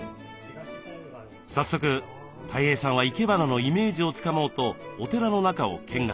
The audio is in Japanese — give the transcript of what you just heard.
早速たい平さんは生け花のイメージをつかもうとお寺の中を見学。